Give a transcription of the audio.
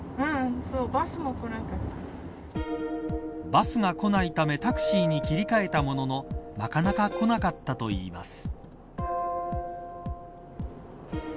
バスが来ないためタクシーに切り替えたもののなかなかこなかったといいます。